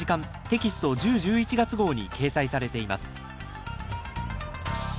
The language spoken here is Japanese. テキスト１０・１１月号に掲載されています